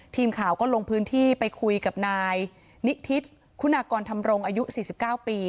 ทีมข่าวก็ลงพื้นที่ไปคุยกับนายนิทิศคุณากรทำรงอายุสี่สิบเก้าปี